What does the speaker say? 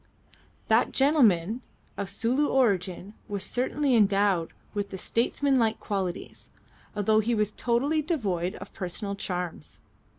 That gentleman of Sulu origin was certainly endowed with statesmanlike qualities, although he was totally devoid of personal charms.